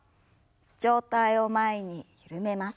上体を前に緩めます。